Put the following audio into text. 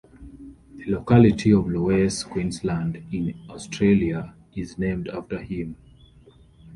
The locality of Lawes, Queensland, in Australia is named after him.